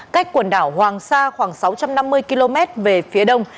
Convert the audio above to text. cách quần đảo hoàng sa khoảng sáu trăm năm mươi km về phía đông